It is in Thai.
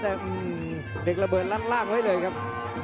แต่เด็กระเบิดลัดล่างไว้เลยครับ